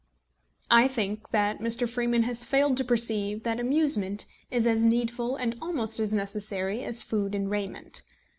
I think that Mr. Freeman has failed to perceive that amusement is as needful and almost as necessary as food and raiment.